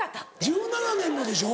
１７年もでしょ？